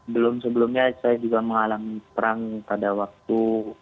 belum sebelumnya saya juga mengalami perang pada waktu